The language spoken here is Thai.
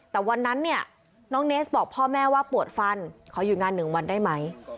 แต่วันนั้นเนี่ยน้องเนสบอกพ่อแม่ว่าปวดฟันขอหยุดงาน๑วันได้ไหม